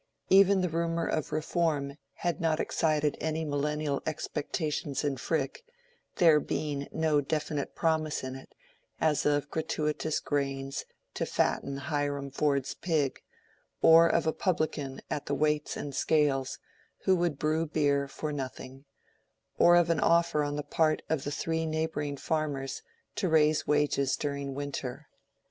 Even the rumor of Reform had not yet excited any millennial expectations in Frick, there being no definite promise in it, as of gratuitous grains to fatten Hiram Ford's pig, or of a publican at the "Weights and Scales" who would brew beer for nothing, or of an offer on the part of the three neighboring farmers to raise wages during winter.